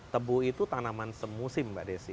tebu itu tanaman semusim mbak desi